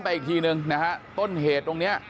แกจะต้องลงด้วยไหมนี่